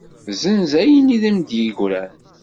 Zzenz ayen i m-d-yegran.